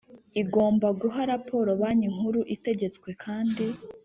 igomba guha raporo Banki Nkuru Itegetswe kandi